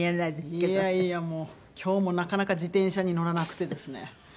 いやいやもう今日もなかなか自転車に乗らなくてですね